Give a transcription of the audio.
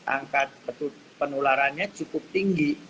angka penularannya cukup tinggi